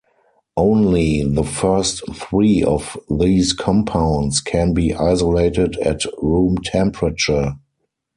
Only the first three of these compounds can be isolated at room temperature.